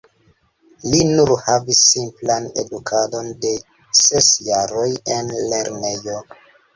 Li nur havis simplan edukadon de ses jaroj en lernejo.